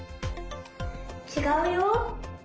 ちがうよ。